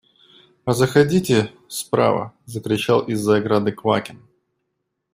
А заходите справа! – закричал из-за ограды Квакин.